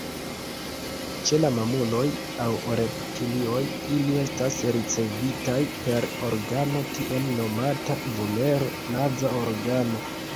Ĉe la mamuloj aŭ reptilioj, ili estas ricevitaj per organo tiel nomata vomero-naza organo.